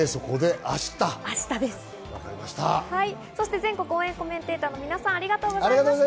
全国応援コメンテーターの皆さん、ありがとうございました。